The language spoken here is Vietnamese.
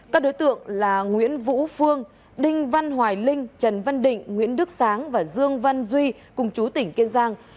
các đối tượng là nguyễn vũ phương đinh văn hoài linh trần văn định nguyễn đức sáng và dương văn duy cùng chú tỉnh kiên giang